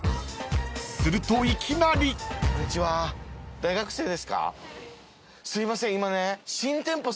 ［するといきなり］すいません今ね。